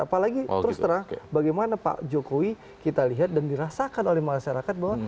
apalagi terus terang bagaimana pak jokowi kita lihat dan dirasakan oleh masyarakat bahwa